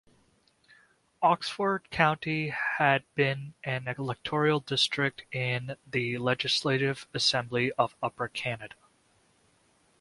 Oxford County had been an electoral district in the Legislative Assembly of Upper Canada.